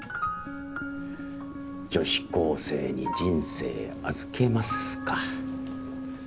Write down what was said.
「女子高生に人生預けます」か。